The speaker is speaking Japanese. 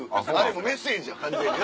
もうメッセージや完全に。